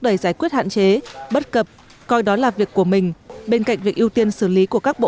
đẩy giải quyết hạn chế bất cập coi đó là việc của mình bên cạnh việc ưu tiên xử lý của các bộ